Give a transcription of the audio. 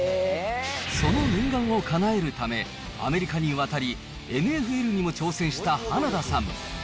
その念願をかなえるため、アメリカに渡り、ＮＦＬにも挑戦した花田さん。